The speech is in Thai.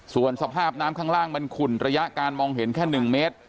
ส่วนสภาพน้ำข้างล่างมันขุ่นระยะการมองเห็นแค่๑เมตร